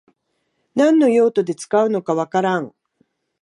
何の用途で使うのかわからん